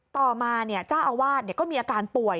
ต่อมาเจ้าอาวาสก็มีอาการป่วย